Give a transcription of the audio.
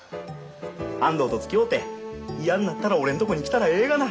安藤とつきおうて嫌になったら俺のとこに来たらええがな。